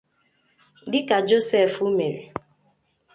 dịka Joseph mere